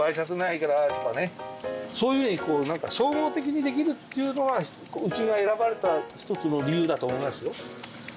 そういうふうに総合的にできるっていうのはうちが選ばれた一つの理由だと思いますよ。